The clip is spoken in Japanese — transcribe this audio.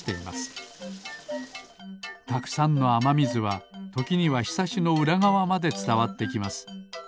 たくさんのあまみずはときにはひさしのうらがわまでつたわってきます。